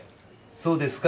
そうですか。